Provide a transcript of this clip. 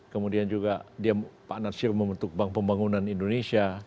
kemudian juga dia pak nasir membentuk bank pembangunan indonesia